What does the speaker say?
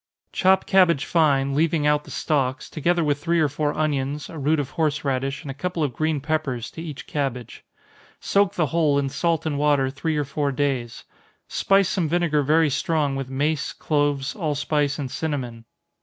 _ Chop cabbage fine, leaving out the stalks, together with three or four onions, a root of horseradish, and a couple of green peppers to each cabbage. Soak the whole in salt and water three or four days. Spice some vinegar very strong with mace, cloves, allspice and cinnamon.